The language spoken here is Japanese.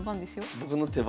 僕の手番？